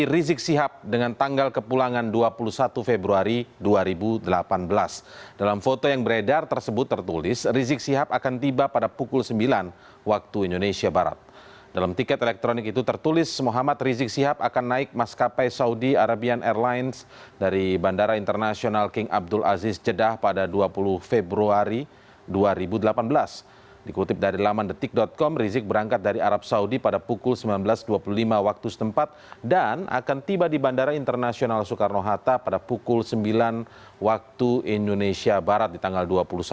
rizik berangkat dari arab saudi pada pukul sembilan belas dua puluh lima waktu setempat dan akan tiba di bandara internasional soekarno hatta pada pukul sembilan waktu indonesia barat di tanggal dua puluh satu